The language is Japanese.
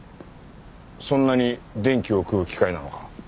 そんなに電気を食う機械なのか。